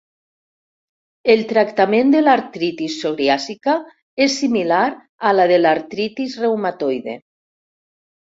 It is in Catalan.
El tractament de l'artritis psoriàsica és similar a la de l'artritis reumatoide.